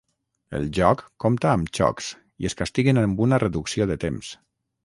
El joc compta amb xocs i es castiguen amb una reducció de temps.